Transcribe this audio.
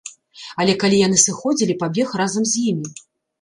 Але калі яны сыходзілі, пабег разам з імі.